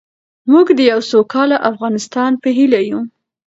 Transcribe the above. موږ د یو سوکاله افغانستان په هیله یو.